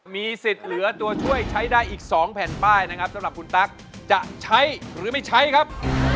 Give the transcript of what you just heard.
มีสิทธิ์เหลือตัวช่วยใช้ได้อีก๒แผ่นป้ายนะครับสำหรับคุณตั๊กจะใช้หรือไม่ใช้ครับ